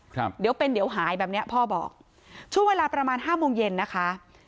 ครับเดี๋ยวเป็นเดี๋ยวหายแบบเนี้ยพ่อบอกช่วงเวลาประมาณห้าโมงเย็นนะคะ